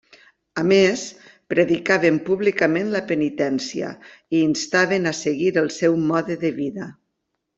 A més, predicaven públicament la penitència i instaven a seguir el seu mode de vida.